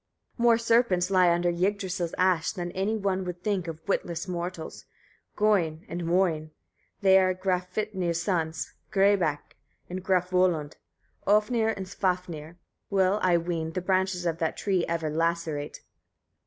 34. More serpents lie under Yggdrasil's ash, than any one would think of witless mortals: Gôin and Môin, they are Grafvitnir's sons Grâbak and Grafvöllud, Ofnir and Svafnir, will, I ween, the branches of that tree ever lacerate.